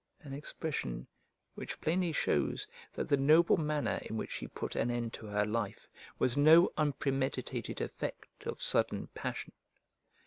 an expression which plainly shews that the noble manner in which she put an end to her life was no unpremeditated effect of sudden passion.